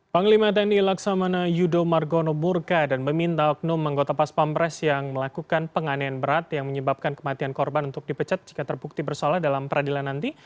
panglima tni laksamana yudo margono burka dan meminta oknum anggota pas pampres yang melakukan penganian berat yang menyebabkan kematian korban untuk dipecat jika terbukti bersalah dalam peradilan nanti